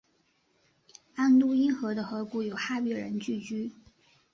安都因河的河谷有哈比人聚居。